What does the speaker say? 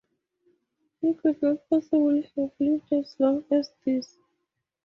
He could not possibly have lived as long as this.